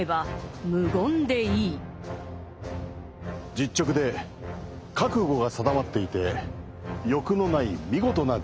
実直で覚悟が定まっていて欲のない見事な人物。